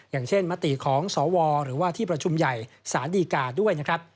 อย่างเช่นมติของสวหรือว่าที่ประชุมใหญ่ศาลดีกาด้วยนะครับ